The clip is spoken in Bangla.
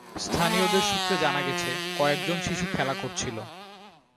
স্থানীয়দের সূত্রে জানা গেছে, কয়েক জন শিশু খেলা করছিল।